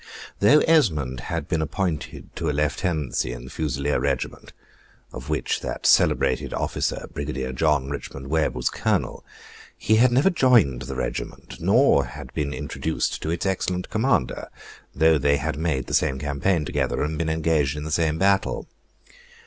Though Esmond had been appointed to a lieutenancy in the Fusileer regiment, of which that celebrated officer, Brigadier John Richmond Webb, was colonel, he had never joined the regiment, nor been introduced to its excellent commander, though they had made the same campaign together, and been engaged in the same battle.